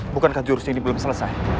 bukankah jurusnya ini belum selesai